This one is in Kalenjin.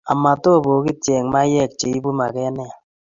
Amat obogitye eng' maiyek , che ibu maget ne ya.